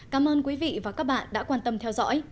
cảm ơn quý vị và các bạn đã quan tâm theo dõi